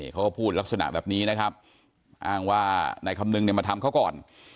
เขาก็พูดลักษณะแบบนี้นะครับอ้างว่านายคำนึงเนี่ยมาทำเขาก่อน